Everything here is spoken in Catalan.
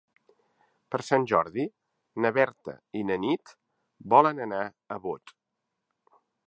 Per Sant Jordi na Berta i na Nit volen anar a Bot.